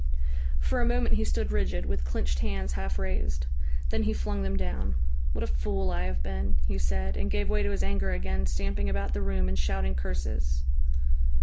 For a moment he stood rigid, with clenched hands half raised. Then he flung them down. "What a fool I have been!" he said, and gave way to his anger again, stamping about the room and shouting curses....